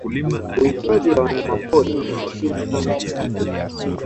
uhifadhi wa wanyamapori ni muhimu sana kwa taifa